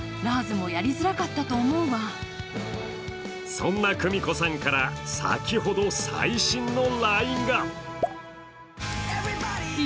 そんな久美子さんから、先ほど最新のＬＩＮＥが。